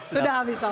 sudah habis pak